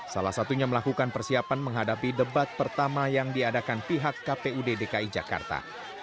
salah satunya melakukan persiapan menghadapi debat pertama yang diadakan pihak kpud dki jakarta